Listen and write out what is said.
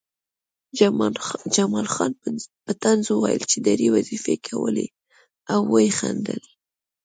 جمال خان په طنز وویل چې درې وظیفې کوې او ویې خندل